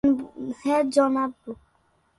হ্যা, জনাব।